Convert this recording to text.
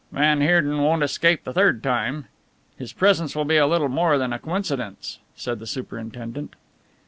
"Van Heerden won't escape the third time. His presence will be a little more than a coincidence," said the superintendent.